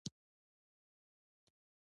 کچالو د چمن په سیمو کې ښه کرل کېږي